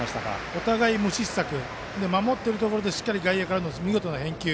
お互い無失策守っているところでしっかり外野から見事な返球。